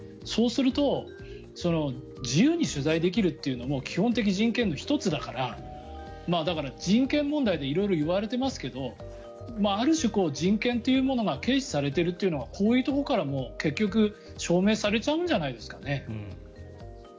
そうすると自由に取材できるというのも基本的人権の１つだからだから、人権問題で色々言われていますけどある種、人権というものが軽視されているというのはこういうところから結局、証明されちゃうんじゃないですかね。